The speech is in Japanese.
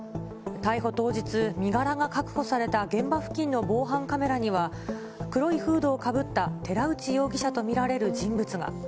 逮捕当日、身柄が確保された現場付近の防犯カメラには、黒いフードをかぶった寺内容疑者と見られる人物が。